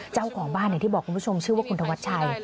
เจ้าของบ้านอย่างที่บอกคุณผู้ชมชื่อว่าคุณธวัชชัย